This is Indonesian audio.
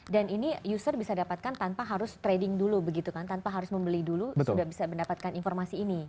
dan ini user bisa dapatkan tanpa harus trading dulu begitu kan tanpa harus membeli dulu sudah bisa mendapatkan informasi ini